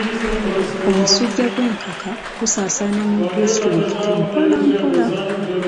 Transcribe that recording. Omusujja gw'enkaka gusaasaana mu disitulikiti mpola mpola.